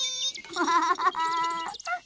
アハハハハ。